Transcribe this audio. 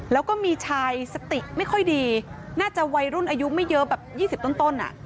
แล้วก็มีชายสติไม่ค่อยดีน่าจะวัยรุ่นอายุไม่เยอะแบบ๒๐ต้น